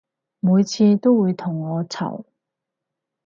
每次都會同我嘈